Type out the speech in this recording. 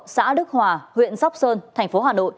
xã đức hòa huyện sóc sơn tp hcm